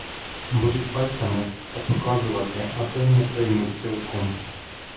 Будуть пальцями та показувати, а то й не приймуть цілком.